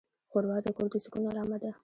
ښوروا د کور د سکون علامه ده.